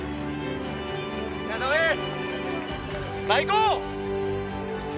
最高！